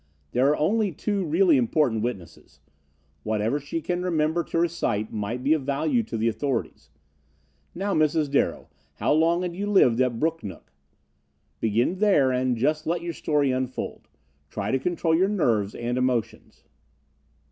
There are only two really important witnesses. Whatever she can remember to recite might be of value to the authorities. Now, Mrs. Darrow, how long had you lived at Brooknook? Begin there and just let your story unfold. Try to control your nerves and emotions."